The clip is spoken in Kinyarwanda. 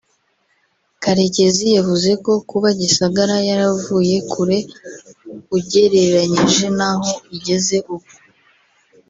Karekezi yavuze ko kuba Gisagara yaravuye kure ugereranyije n’aho igeze ubu